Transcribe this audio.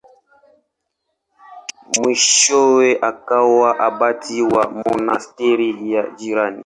Mwishowe akawa abati wa monasteri ya jirani.